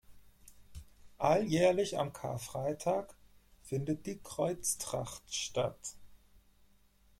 Alljährlich am Karfreitag findet die Kreuztracht statt.